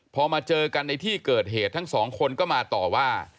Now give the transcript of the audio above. พอมาเจอกันในที่เกิดเหตุทั้งสองคนก็มาต่อว่า